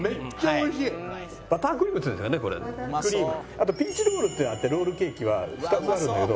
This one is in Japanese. あとピーチロールっていうのがあってロールケーキは２つあるんだけど。